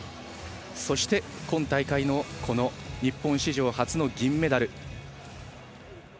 そして、今大会の日本史上初の銀メダル。